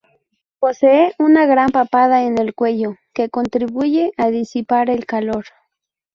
Posee una gran papada en el cuello, que contribuye a disipar el calor.